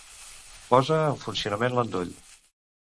Posa en funcionament l'endoll.